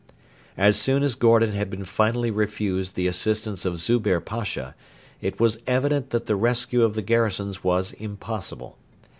As soon as Gordon had been finally refused the assistance of Zubehr Pasha, it was evident that the rescue of the garrisons was impossible.